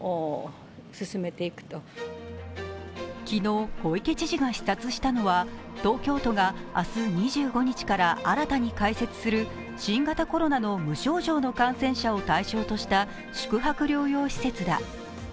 昨日、小池知事が視察したのは東京都が明日２５日から新たに開設する新型コロナの無症状の感染者を対象とした宿泊療養施設だ。